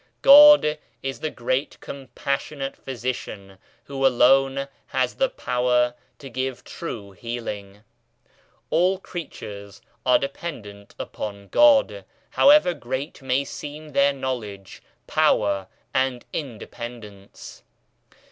God is the great compassionate Physician who alone has the power to give true healing. All creatures are dependent upon God, however great may seem their knowledge, power and inde pendence.